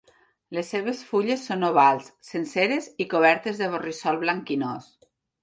Les seves fulles són ovals, senceres i cobertes de borrissol blanquinós.